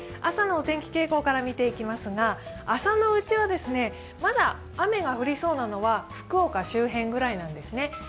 朝のお天気傾向から見ていきますが朝のうちはまだ雨が降りそうなのは福岡周辺くらいなんですね。